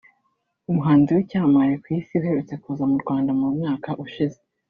umuhanzi w’icyamamare ku isi uherutse kuza mu Rwanda mu mwaka ushize